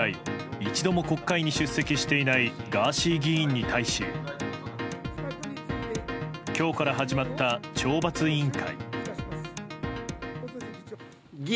一度も国会に出席していないガーシー議員に対し今日から始まった懲罰委員会。